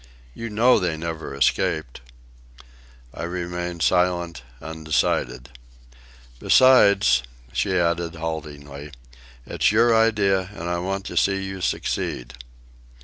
You know they never escaped." I remained silent, undecided. "Besides," she added haltingly, "it's your idea, and I want to see you succeed."